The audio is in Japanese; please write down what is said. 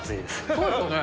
そうですよね。